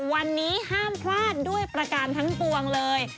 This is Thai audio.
วันนี้ห้ามพลาดด้วยประการทั้งปวงเลย